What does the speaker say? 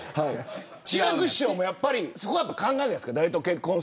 志らく師匠もやっぱりそこは考えないですか。